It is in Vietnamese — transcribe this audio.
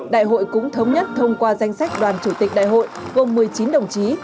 đại hội cũng thống nhất thông qua danh sách đoàn chủ tịch đại hội gồm một mươi chín đồng chí